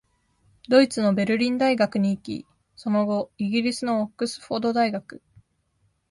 ドイツのベルリン大学に行き、その後、イギリスのオックスフォード大学、